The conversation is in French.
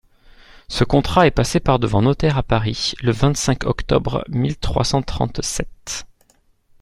Ce contrat est passé par-devant notaire à Paris le vingt-cinq octobre mille trois cent trente-sept.